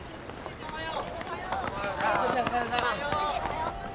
おはよう。